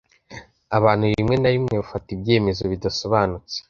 Abantu rimwe na rimwe bafata ibyemezo bidasobanutse.